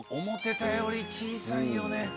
思ってたより小さいよね。